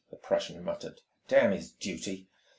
the Prussian muttered. "Damn his duty!